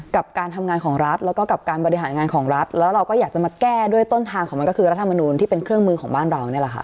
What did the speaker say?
กับการทำงานของรัฐแล้วก็กับการบริหารงานของรัฐแล้วเราก็อยากจะมาแก้ด้วยต้นทางของมันก็คือรัฐมนูลที่เป็นเครื่องมือของบ้านเรานี่แหละค่ะ